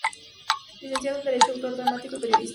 Licenciado en derecho, autor dramático y periodista.